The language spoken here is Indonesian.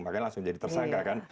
makanya langsung jadi tersangka kan